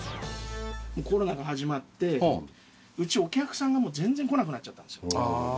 コロナが始まってうちお客さんが全然来なくなっちゃったんですよ。